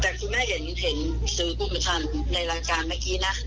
เพราะว่าคุณแม่คิดว่าอย่างงี้อาจจะแต่คุณแม่เห็นซื้อกรมธรรมในรายการเมื่อกี้นะ